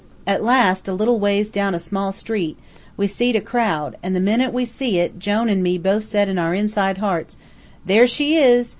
At last, a little ways down a small street, we seed a crowd, an' the minute we see it Jone an' me both said in our inside hearts: 'There she is!'